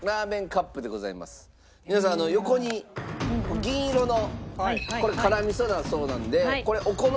皆さん横に銀色のこれ辛味噌だそうなんで。